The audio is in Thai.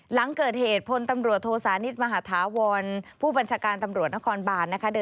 หลังเกิดเหตุพลตำรวจโทสานิทมหาธาวรผู้บัญชาการตำรวจนครบานนะคะ